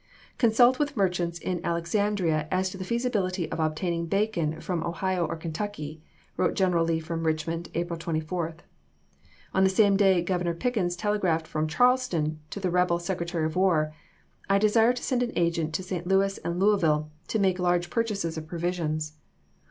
" Con sult with merchants in Alexandria as to the feasi bility of obtaining bacon from Ohio or Kentucky," wrote General Lee from Richmond, April 24. On isei. the same day Governor Pickens telegraphed from Charleston to the rebel Secretary of War, " I desire to send an agent to St. Louis and Louisville to make large purchases of provisions."